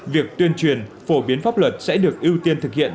việc tuyên truyền phổ biến pháp luật sẽ được ưu tiên thực hiện